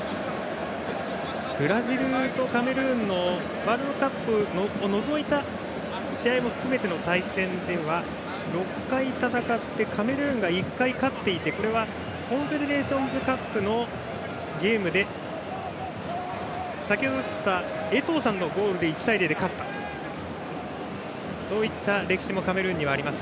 ブラジルとカメルーンのワールドカップを除いた試合も含めての対戦では６回戦ってカメルーンが１回勝っていてコンフェデレーションズカップのゲームで先程映ったエトーさんのゴールで１対０で勝ったそういった歴史もカメルーンにはあります。